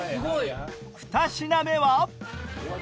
２品目は？